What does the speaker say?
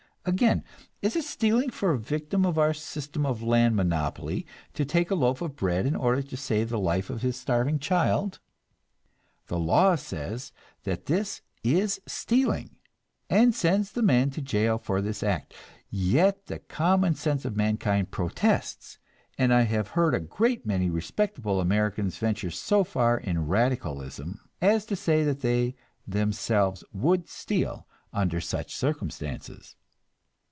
Again, is it stealing for a victim of our system of land monopoly to take a loaf of bread in order to save the life of his starving child? The law says that this is stealing, and sends the man to jail for this act; yet the common sense of mankind protests, and I have heard a great many respectable Americans venture so far in "radicalism" as to say that they themselves would steal under such circumstances.